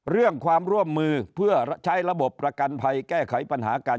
เรื่องความร่วมมือเพื่อใช้ระบบประกันภัยแก้ไขปัญหาการ